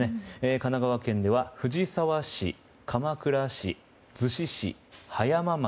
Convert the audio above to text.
神奈川県では藤沢市、鎌倉市逗子市、葉山町